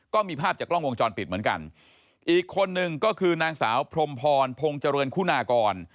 ก็มีภาพจากกล้องวงจรปิดเหมือนกันอีกคนนึงก็คือนางสาวพรมพรพงศ์เจริญคุณากร